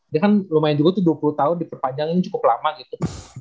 dia kan lumayan juga tuh dua puluh tahun diperpanjangin cukup lama gitu